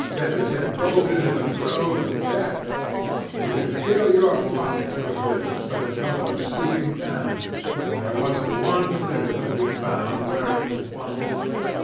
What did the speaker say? Rivets had rolled into the grove of death. You could fill your pockets with rivets for the trouble of stooping down and there wasn't one rivet to be found where it was wanted.